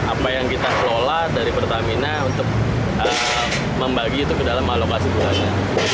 apa yang kita kelola dari pertamina untuk membagi itu ke dalam alokasi pusatnya